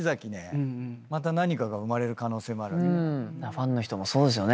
ファンの人もそうですよね。